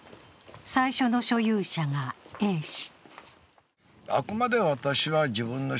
最初の所有者がＡ氏。